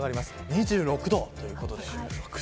２６度ということです。